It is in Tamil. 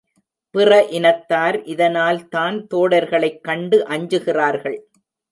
பிற இனத்தார் இதனால் தான் தோடர்களைக் கண்டு அஞ்சுகிறார்கள்.